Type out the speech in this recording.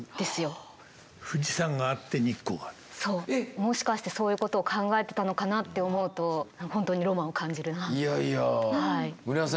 もしかしてそういうことを考えてたのかなって思うと本当にいやいや村井さん